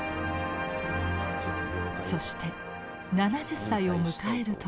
そして７０歳を迎える時。